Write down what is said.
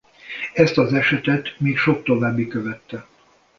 Ezt az esetet még sok további követte.